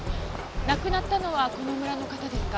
亡くなったのはこの村の方ですか？